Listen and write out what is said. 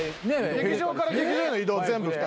劇場から劇場への移動全部２人で。